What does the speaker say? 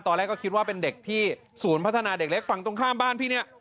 ตอนแรกก็คิดว่าเป็นเด็กที่ศูนย์พัฒนาเด็กเล็กฝั่งตรงข้ามบ้านพี่เนี่ย